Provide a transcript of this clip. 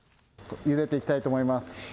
ゆでていきたいと思います。